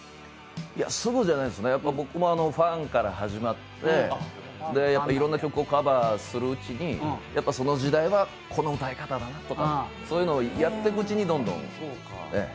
すぐじゃないですね、僕もファンから始まっていろんな曲をカバーするうちに、その時代はこの歌い方だなとかそういうのをやっていくうちにどんどん、ええ。